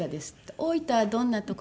「大分はどんなとこ？」